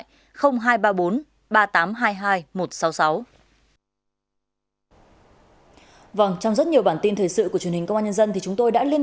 trong rất nhiều bản tin thời sự của truyền hình công an nhân dân